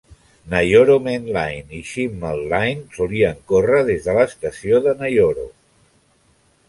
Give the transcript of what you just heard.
Nayoro Main Line i Shimmei Line solien córrer des de l'estació de Nayoro.